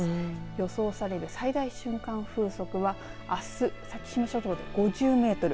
予想される最大瞬間風速はあす先島諸島で５０メートル